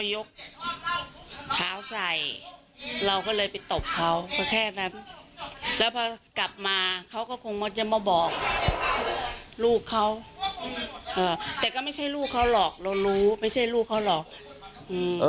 ยกเท้าใส่เราก็เลยไปตบเขาก็แค่นั้นแล้วพอกลับมาเขาก็คงมักจะมาบอกลูกเขาเอ่อแต่ก็ไม่ใช่ลูกเขาหรอกเรารู้ไม่ใช่ลูกเขาหรอกอืม